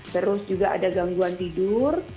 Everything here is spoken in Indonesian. terus juga ada gangguan tidur